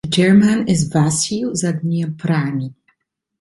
The chairman is Vasil Zadnyaprany.